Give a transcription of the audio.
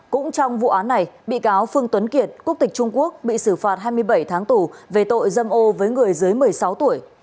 cũng trong vụ án này bị cáo phương tuấn kiệt quốc tịch trung quốc bị xử phạt hai mươi bảy tháng tù về tội dâm ô với người dưới một mươi sáu tuổi